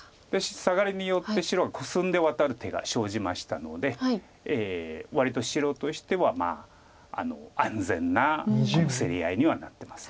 サガリによって白はコスんでワタる手が生じましたので割と白としては安全な競り合いにはなってます。